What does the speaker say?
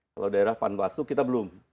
kalau daerah panwaslu kita belum